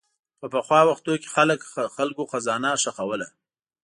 په پخوا وختونو کې خلک خزانه ښخوله.